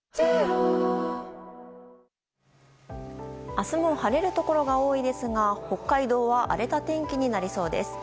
明日も晴れるところが多いですが北海道は荒れた天気になりそうです。